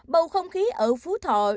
bầu không khí ở phú thọ